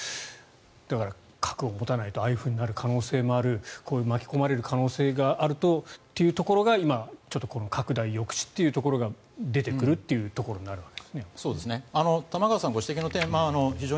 だから、核を持たないとああいうふうになる可能性もある巻き込まれる可能性があるとというところが今、拡大抑止というところが出てくるというところになると。